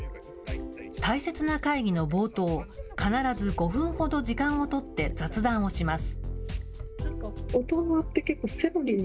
大切な会議の冒頭、必ず５分ほど時間を取って、雑談をします。